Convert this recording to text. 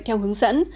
theo hướng dẫn